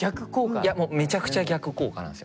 いやもうめちゃくちゃ逆効果なんですよ